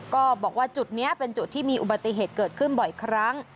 ก็บอกว่าจุดนี้เป็นจุดที่มีอุบัติเหตุเกิดขึ้นบ่อยครั้ง